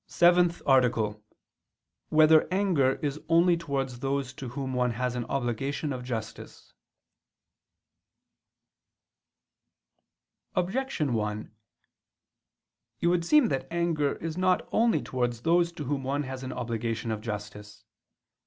________________________ SEVENTH ARTICLE [I II, Q. 46, Art. 7] Whether Anger Is Only Towards Those to Whom One Has an Obligation of Justice? Objection 1: It would seem that anger is not only towards those to whom one has an obligation of justice.